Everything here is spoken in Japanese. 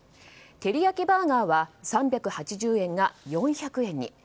テリヤキバーガーは３８０円が４００円に。